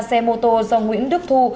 xe mô tô do nguyễn đức thu